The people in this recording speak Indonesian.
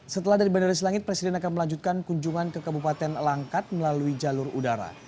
setelah dari bandara selangit presiden akan melanjutkan kunjungan ke kabupaten langkat melalui jalur udara